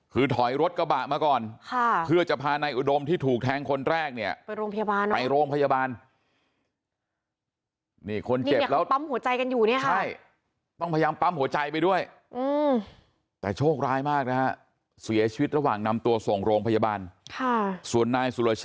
เพื่อจะพาอุดมที่ถูกแทงคนแรกไปโรงพยาบาล